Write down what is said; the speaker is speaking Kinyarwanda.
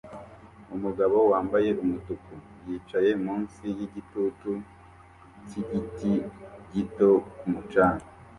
Umugabo wambaye umutuku yicaye munsi yigitutu cyigiti gito ku mucanga